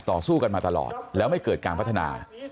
สู้กันมาตลอดแล้วไม่เกิดการพัฒนา